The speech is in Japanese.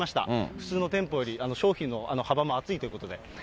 普通の店舗より商品の幅も厚いということで。